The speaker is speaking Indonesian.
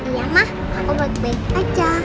iya mah aku baik baik aja